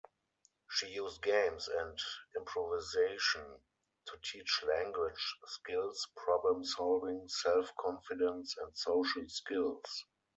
She used games and improvisation to teach language skills, problem-solving, self-confidence and social skills.